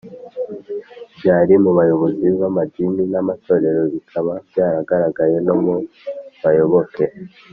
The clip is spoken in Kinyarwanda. Byari mu bayobozi b’amadini n’amatorero bikaba byaragaragaraye no mu bayoboke